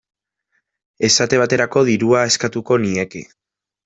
Esate baterako, dirua eskatuko nieke.